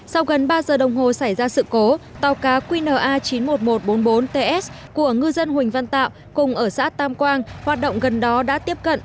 sau gần ba giờ đồng hồ xảy ra sự cố tàu cá qna chín mươi một nghìn một trăm bốn mươi bốn ts của ngư dân huỳnh văn tạo cùng ở xã tam quang hoạt động gần đó đã tiếp cận